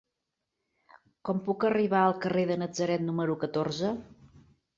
Com puc arribar al carrer de Natzaret número catorze?